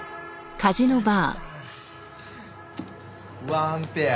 ワンペア！